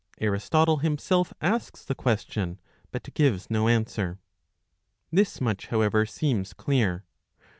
Aristotle himself asks ^ the question, but gives no answer. This much, however, seems clear.